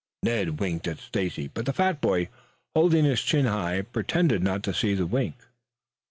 Ned winked at Stacy, but the fat boy, holding his chin high, pretended not to see the wink.